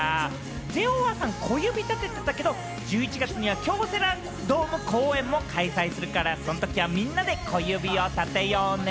ＪＯ１さん、小指立てたけれども、１０月には京セラドーム公演も開催するから、その時はみんなで小指を立てようね。